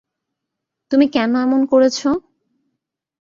তুমি কেন এমন করেছো?